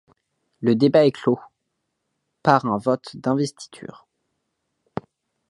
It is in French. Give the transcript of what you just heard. Le débat est clos par un vote d'investiture.